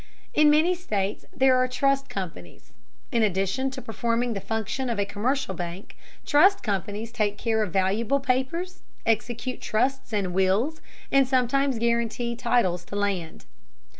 In many states there are trust companies. In addition to performing the function of a commercial bank, trust companies take care of valuable papers, execute trusts and wills, and sometimes guarantee titles to land.